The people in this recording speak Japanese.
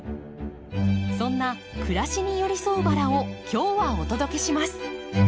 そんな暮らしに寄り添うバラを今日はお届けします。